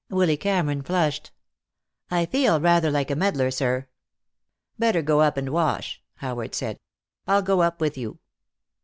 Willy Cameron flushed. "I feel rather like a meddler, sir." "Better go up and wash," Howard said. "I'll go up with you."